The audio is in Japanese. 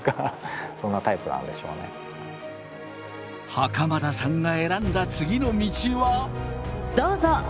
袴田さんが選んだ次の道は。